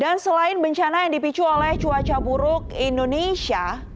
dan selain bencana yang dipicu oleh cuaca buruk indonesia